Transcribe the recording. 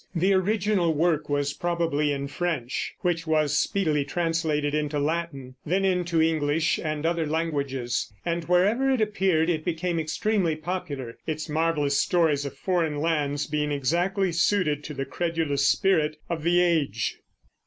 The original work was probably in French, which was speedily translated into Latin, then into English and other languages; and wherever it appeared it became extremely popular, its marvelous stories of foreign lands being exactly suited to the credulous spirit of the age.